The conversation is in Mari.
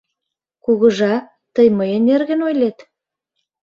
Кугыжа, тый мыйын нерген ойлет?